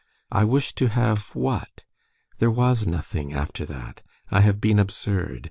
I wished to have, what? There was nothing after that. I have been absurd.